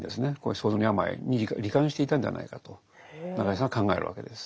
創造の病いに罹患していたんではないかと中井さんは考えるわけです。